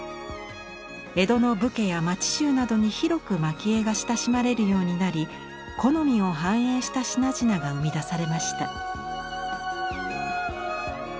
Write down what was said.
江戸の武家や町衆などに広く蒔絵が親しまれるようになり好みを反映した品々が生み出されました。